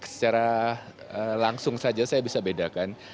karena secara langsung saja saya bisa bedakan